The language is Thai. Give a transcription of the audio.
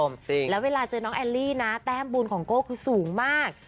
เมื่อเจอน้องแอลลี่นะแต้มบูลของโกคคือสูงมาก